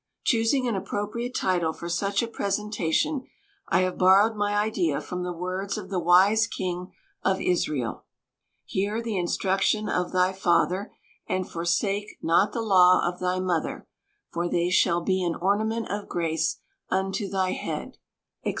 Choosing an appropriate title for such a presentation, I have borrowed my idea from the words of the wise king of Israel: "Hear the instruction of thy father, and forsake not the law of thy mother; for they shall be an ornament of grace unto thy head," &c.